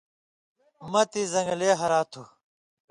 مہ تی زن٘گلے ہرا تُھو